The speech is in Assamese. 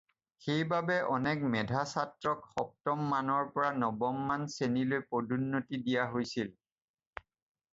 সেইবাবে অনেক মেধা ছাত্ৰক সপ্তম মানৰ পৰা নৱম মান শ্ৰেণীলৈ পদোন্নতি দিয়া হৈছিল।